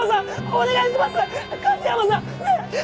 お願いします！